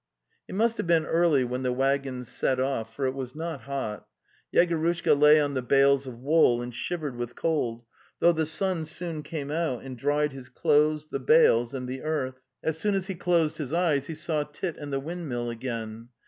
It must have been early when the waggons set off, for it was not hot. Yegorushka lay on the bales of wool and shivered with cold, though the sun soon came out and dried his clothes, the bales, and the earth. As soon as he closed his eyes he saw Tit and the windmill again.